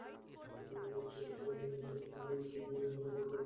সাতক্ষীরা সদর থানার ওসি ফিরোজ হোসেন মোল্যা ঘটনার সত্যতা নিশ্চিত করেছেন।